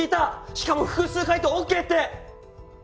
しかも複数回答ＯＫって！